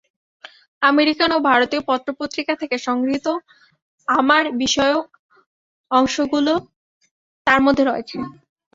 American ও ভারতীয় পত্র-পত্রিকা থেকে সংগৃহীত আমার বিষয়ক অংশগুলি তার মধ্যে রয়েছে।